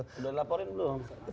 udah laporin belum